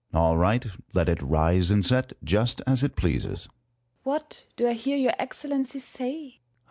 Sun. All right. Let it rise and set, just as it pleases. First Hour. What do I hear your Excellency say